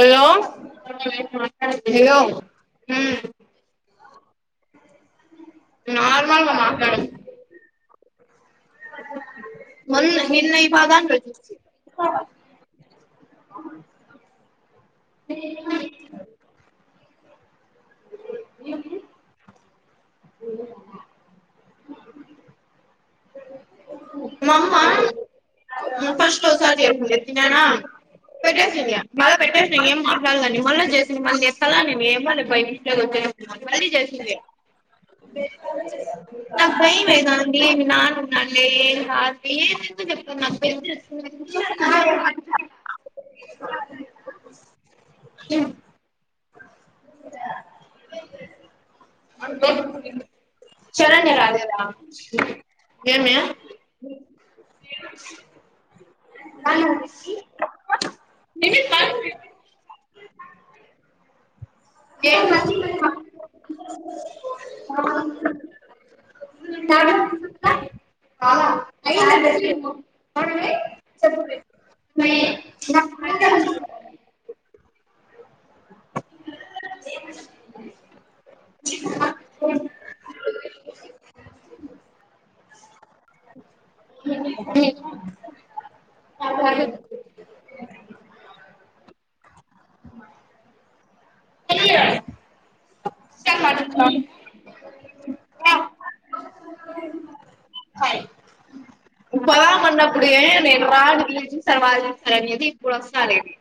ఆ hello normal గా మాట్లాడండి మొన్న నిన్న ఈ పాప ఆ ఆ [unintelligible] మామ్మ ఫస్ట్ ఓసారి చేసింది నాన్న పెట్టేసింది మళ్ళా పెట్టేసినా ఏం మాట్లాడాల్లా అని మళ్ళా చేసింది మళ్ళ ఏత్తలా నేను ఏమోలే బై మిస్టేక్ వ మళ్ళీ జేసీ నాక్ భయమైతంది మీ నాన్న ఉన్నాడు గా లే మాకి చెప్పుకున్నారు [unintelligible] మా ఆ అ శరణ్య రాలేదా మే ఏ [unintelligible] ఏమూవచ్చిందో అన్నే ఉంది నే ఫైవ్ ఇట్ [unintelligible] తాగు తాగ్ అలా అయ ఎ ఆ ఆ పడుకుంది తెల్లివులిగడ్డ చ మాటలు పట్టుకుంటున్నావా ఆ హాయ్ పోదాం అన్నప్పుడు నేను వాడు విలుస్తారు వారు విలుస్తారు అనేది ఇప్పుడు వస్తానేది.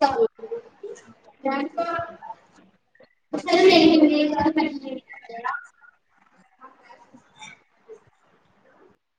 తబ్ దానికో [unintelligible]